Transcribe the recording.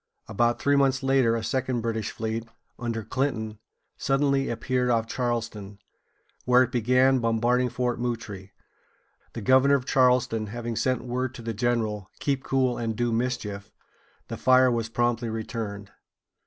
About three months later a second British fleet, under Clinton, suddenly appeared off Charleston, where it began bombarding Fort Moultrie (moo´trī). The governor of Charleston having sent word to the general, "Keep cool and do mischief," the fire was promptly returned.